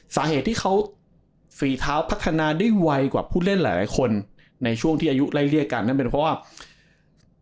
สาเหตุที่เขาฝีเท้าพัฒนาได้ไวกว่าผู้เล่นหลายคนในช่วงที่อายุไล่เรียกกันนั่นเป็นเพราะว่า